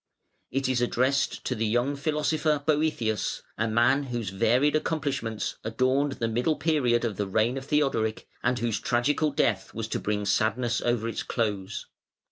It is addressed to the young philosopher Boëthius, a man whose varied accomplishments adorned the middle period of the reign of Theodoric, and whose tragical death was to bring sadness over its close.